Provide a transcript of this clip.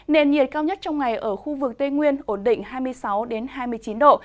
nền nhiệt cao nhất trong ngày ở khu vực tây nguyên ổn định hai mươi sáu hai mươi chín độ